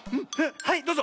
はいどうぞ。